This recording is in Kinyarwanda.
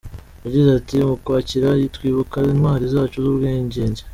Yagize ati: “Mu Ukwakira, twibuka intwari zacu z’ubwigenge.”